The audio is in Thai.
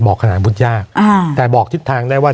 บอกขนาดอาวุธยากแต่บอกทิศทางได้ว่า